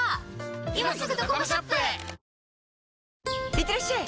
いってらっしゃい！